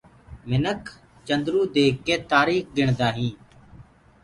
منک چندرو ديک ڪي تآريٚک گُڻدآ هينٚ